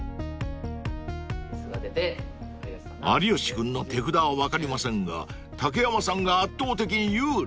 ［有吉君の手札は分かりませんが竹山さんが圧倒的に有利］